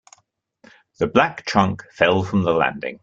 The black trunk fell from the landing.